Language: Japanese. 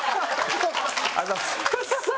ありがとうございます。